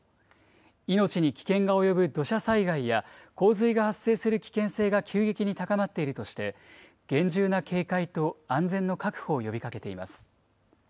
命に危険が及ぶ土砂災害や洪水が発生する危険性が急激に高まっているとして、厳重な警戒と安全の確保を呼びかけています。